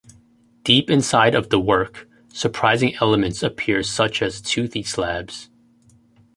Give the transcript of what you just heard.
Deep inside of the work, surprising elements appear such as toothy slabs.